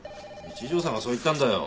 一条さんがそう言ったんだよ。